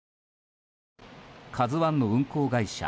「ＫＡＺＵ１」の運航会社